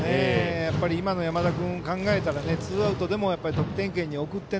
今の山田君を考えたらツーアウトでも得点圏に送って。